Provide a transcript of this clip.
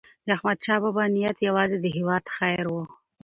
داحمدشاه بابا نیت یوازې د هیواد خیر و.